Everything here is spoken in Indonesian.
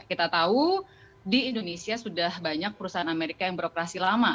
kita tahu di indonesia sudah banyak perusahaan amerika yang beroperasi lama